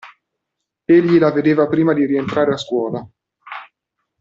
Egli la vedeva prima di rientrare a scuola.